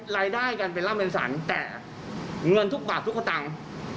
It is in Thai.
รายได้กันเป็นร่ำเป็นสรรแต่เงินทุกบาททุกสตังค์